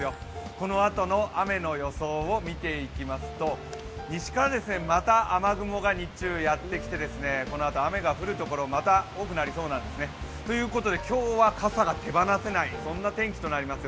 このあとの雨の予想を見ていきますと西からまた雨雲が日中やってきてこのあと雨が降るところまた多くなりそうなんですね。ということで、今日は傘が手放せない天気となりますよ。